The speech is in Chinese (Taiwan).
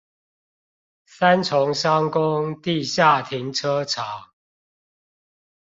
三重商工地下停車場